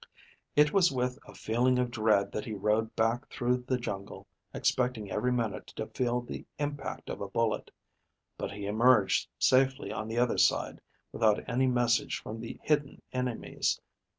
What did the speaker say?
It was with a feeling of dread that he rode back through the jungle, expecting every minute to feel the impact of a bullet. But he emerged safely on the other side without any message from the hidden enemies.